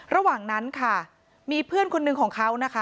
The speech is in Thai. ระหว่างนั้นค่ะมีเพื่อนคนหนึ่งของเขานะคะ